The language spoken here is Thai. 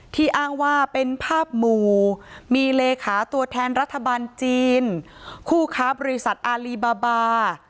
อ้างว่าเป็นภาพหมู่มีเลขาตัวแทนรัฐบาลจีนคู่ค้าบริษัทอารีบาบา